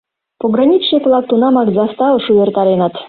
— Пограничник-влак тунамак заставыш увертареныт.